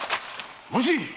もし！